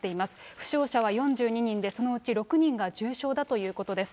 負傷者は４２人で、そのうち６人が重傷だということです。